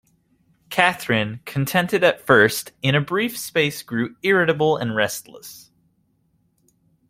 Catherine, contented at first, in a brief space grew irritable and restless.